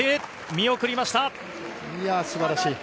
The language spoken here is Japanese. いや、すばらしい。